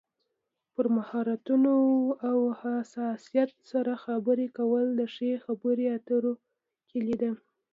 پر مهارتونو او حساسیت سره خبرې کول د ښې خبرې اترو کلي ده.